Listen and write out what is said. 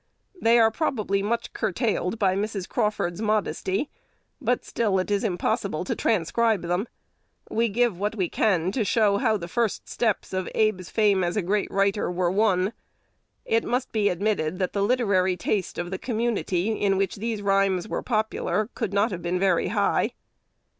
They are probably much curtailed by Mrs. Crawford's modesty, but still it is impossible to transcribe them. We give what we can to show how the first steps of Abe's fame as a great writer were won. It must be admitted that the literary taste of the community in which these rhymes were popular could not have been very high.